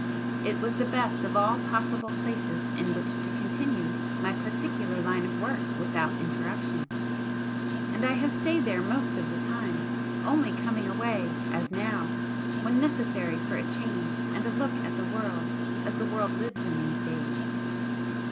It was the best of all possible places in which to continue my particular line of work without interruption and I have stayed there most of the time, only coming away, as now, when necessary for a change and a look at the world as the world lives in these days."